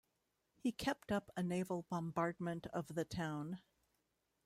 He kept up a naval bombardment of the town.